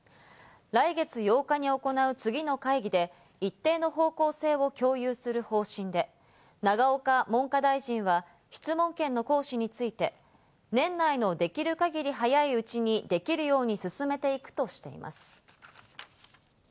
来月８日に行う次の会議で一定の方向性を共有する方針で、永岡文科大臣は質問権の行使について、年内のできる限り早いうちにできるように進めていくとしています。